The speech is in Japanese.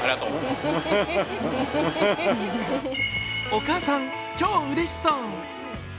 お母さん、超うれしそう。